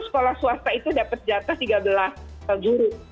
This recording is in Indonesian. sekolah swasta itu dapat jatah tiga belas guru